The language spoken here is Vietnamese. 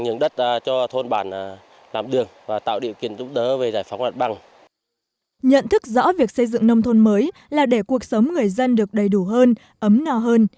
nhận thức rõ việc xây dựng nông thôn mới là để cuộc sống người dân được đầy đủ hơn ấm no hơn